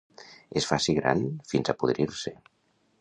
Es faci gran fins a podrir-se.